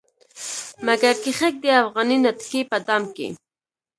مګر کښيږدي افغاني نتکۍ په دام کې